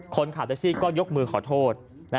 คนขับแท็กซี่ก็ยกมือขอโทษ